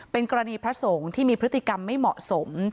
เป็นกรณีพระสงฆ์ที่มีพฤติกรรมไม่เหมาะสม